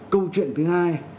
câu chuyện thứ hai